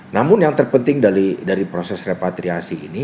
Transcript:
namun yang terpenting dari proses repatriasi ini